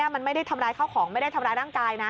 มันไม่ได้ทำร้ายข้าวของไม่ได้ทำร้ายร่างกายนะ